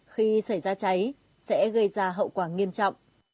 khi xảy ra cháy sẽ gây ra hậu quả nghiêm trọng